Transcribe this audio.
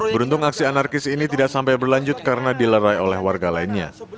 beruntung aksi anarkis ini tidak sampai berlanjut karena dilerai oleh warga lainnya